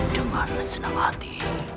dengan bersenang hati